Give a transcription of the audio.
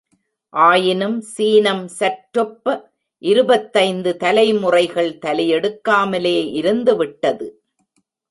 ஆயினும் சீனம் சற்றொப்ப இருபத்தைந்து தலைமுறைகள் தலையெடுக்காமலே இருந்துவிட்டது.